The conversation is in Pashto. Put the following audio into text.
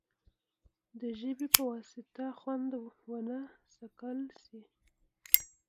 د ژبې په واسطه خوند ونه څکل شي.